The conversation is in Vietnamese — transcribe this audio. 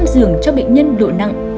chín trăm linh giường cho bệnh nhân độ nặng